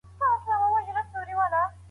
آدم ع ته ټول نومونه وښودل سول.